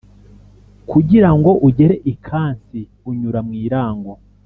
kugirango ugere I kansi unyura mwirango